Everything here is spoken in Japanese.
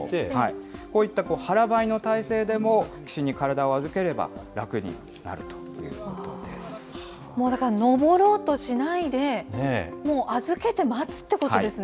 こういった腹ばいの体勢でも岸に体を預ければ楽になるということもうだから上ろうとしないで、もう預けて待つってことですね。